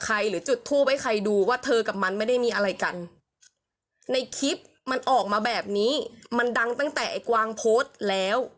อะไรกันในคลิปมันออกมาแบบนี้มันดังตั้งแต่ไอ้กวางโพสต์แล้ว